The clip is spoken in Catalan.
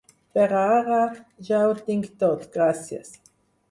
Per ara ja ho tinc tot, gracies.